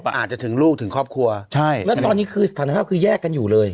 แล้วตอนนี้คือสถานภัยฝ้าคือแยกกันอยู่เลย